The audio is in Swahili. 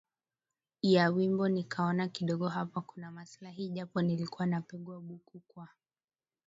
ya wimbo nikaona kidogo hapa kuna maslahi japo nilikuwa napigwa buku kwa